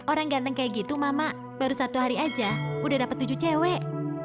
orang ganteng kayak gitu mama baru satu hari aja udah dapat tujuh cewek